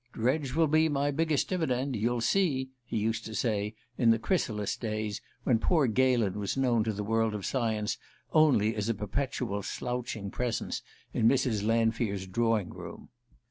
"Dredge will be my biggest dividend you'll see!" he used to say, in the chrysalis days when poor Galen was known to the world of science only as a perpetual slouching presence in Mrs. Lanfear's drawing room.